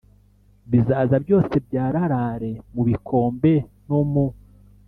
Bizaza byose byararare mu bikombe no mu